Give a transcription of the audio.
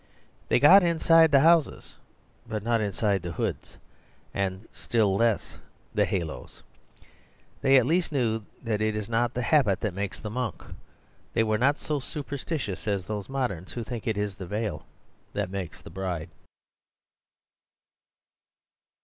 They got inside the houses, but not the hoods, and still less the haloes. They at least knew that it is not the habit that makes the monk. They were not so superstitious as those modems, who think it is the veil that makes the bride.